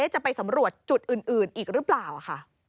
จะไปสำรวจจุดอื่นอีกหรือเปล่าค่ะ